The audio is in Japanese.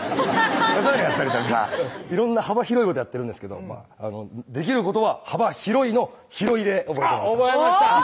そういうのをやったりとか色んな幅広いことやってるんですけど「できることは幅広い」の広井で覚えて覚えました！